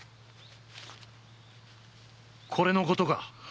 これのことか？